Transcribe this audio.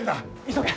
急げ！